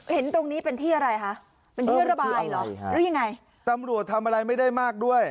เห็นตรงนี้เป็นที่อะไรคะเป็นที่ระบายเหรอแล้วยังไงตำรวจทำอะไรไม่ได้มากด้วย